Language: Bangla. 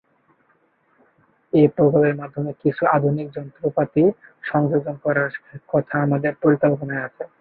এ প্রকল্পের মাধ্যমে কিছু আধুনিক যন্ত্রপাতি সংযোজন করার কথা আমাদের পরিকল্পনায় আছে।